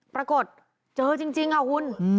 ปรากฏเจอจริงค่ะคุณ